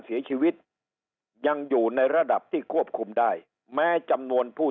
เสียชีวิตยังอยู่ในระดับที่ควบคุมได้แม้จำนวนผู้